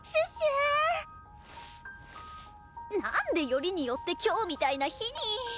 なんでよりによって今日みたいな日に！